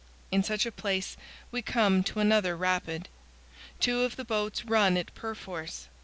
In such a place we come to another rapid. Two of the boats run it perforce.